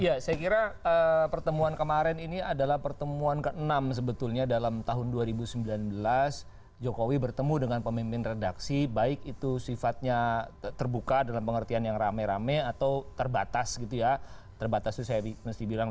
ya saya kira pertemuan kemarin ini adalah pertemuan ke enam sebetulnya dalam tahun dua ribu sembilan belas jokowi bertemu dengan pemimpin redaksi baik itu sifatnya terbuka dalam pengertian yang rame rame atau terbatas gitu ya terbatas itu saya mesti bilang